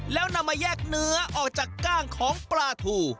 แล้วนำมาแยกเนื้อออกจากกล้างของปลาทู